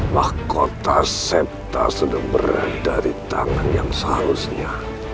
mahkota septa sudah berada di tangan yang seharusnya